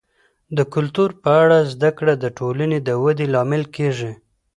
د کلتور په اړه زده کړه د ټولنې د ودي لامل کیږي.